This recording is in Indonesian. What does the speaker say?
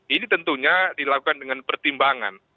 ini tentunya dilakukan dengan pertimbangan